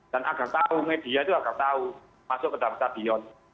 dan agar tahu media itu agar tahu masuk ke dampak sadion